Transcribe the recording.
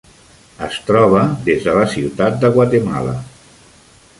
Es troba des de la ciutat de Guatemala.